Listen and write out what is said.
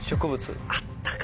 あったか。